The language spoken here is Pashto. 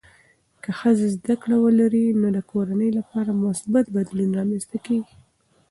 که ښځه زده کړه ولري، نو د کورنۍ لپاره مثبت بدلون رامنځته کېږي.